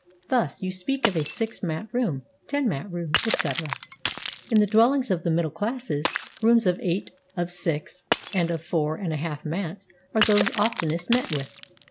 Thus you speak of a six mat room, ten mat room, etc. In the dwellings of the middle classes, rooms of eight, of six, and of four and a half mats are those oftenest met with.